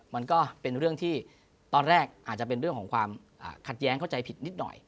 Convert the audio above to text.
มันก็เป็นเรื่องที่ตอนแรกอาจจะเป็นเรื่องของความขัดแย้งเข้าใจผิดนิดหน่อย